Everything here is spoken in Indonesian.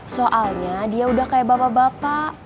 soalnya dia udah kayak bapak bapak